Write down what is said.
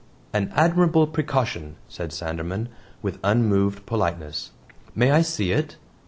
"An admirable precaution," said Sanderman, with unmoved politeness. "May I see it?